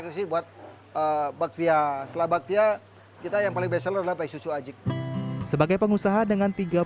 krisi buat bakfiah selabatnya kita yang paling besar lupa susu ajik sebagai pengusaha dengan